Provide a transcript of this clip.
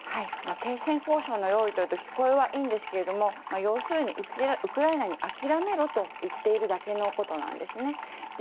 停戦交渉の用意というと聞こえはいいんですけど要するにウクライナに諦めろと言っているだけのことなんですね。